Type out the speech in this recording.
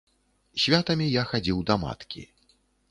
Святамі я хадзіў да маткі.